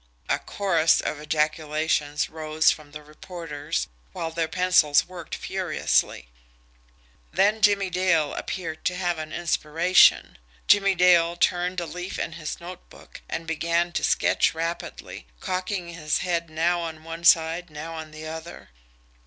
A chorus of ejaculations rose from the reporters, while their pencils worked furiously. Then Jimmie Dale appeared to have an inspiration. Jimmie Dale turned a leaf in his notebook and began to sketch rapidly, cocking his head now on one side now on the other.